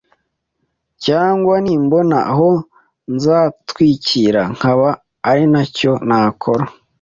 cyangwa nimbona aho nazitwikira nkaba ari cyo nakora